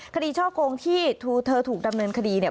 ช่อกงที่เธอถูกดำเนินคดีเนี่ย